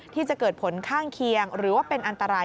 ที่จะเกิดผลข้างเคียงหรือว่าเป็นอันตราย